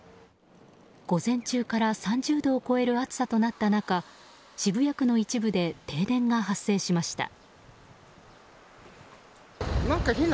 午前中から３０度を超える暑さとなった中渋谷区の一部で停電が発生しました。